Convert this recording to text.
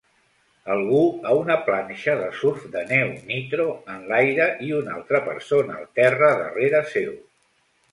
Algú a una planxa de surf de neu Nitro en l'aire i una altre persona al terra darrere seu.